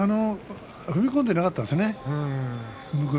踏み込んでなかったですね。